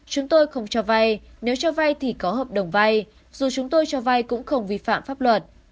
chúng tôi không cho vai nếu cho vai thì có hợp đồng vai dù chúng tôi cho vai cũng không vi phạm pháp luật